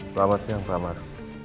selamat siang pak amar